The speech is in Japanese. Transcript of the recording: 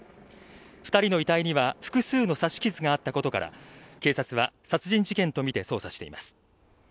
２人の遺体には複数の刺し傷があったことから、警察は殺人事件とみて捜査しています。